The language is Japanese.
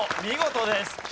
見事です。